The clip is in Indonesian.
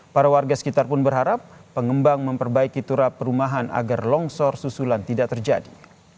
para warga sekitar pun berharap pengembang memperbaiki turap perumahan agar longsor susulan tidak terjadi